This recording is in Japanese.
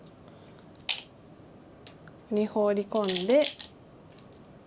ここにホウリ込んで。